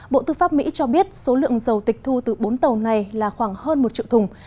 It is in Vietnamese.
bộ tư pháp mỹ cho biết số lượng dầu tịch thu từ bốn tàu này là khoảng hơn một triệu thùng